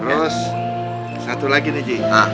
terus satu lagi nih ji